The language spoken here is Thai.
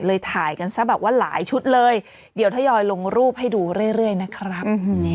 ถ่ายกันซะแบบว่าหลายชุดเลยเดี๋ยวทยอยลงรูปให้ดูเรื่อยนะครับ